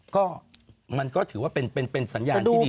ก็มันก็ถือว่าเป็นสัญญาณที่ดี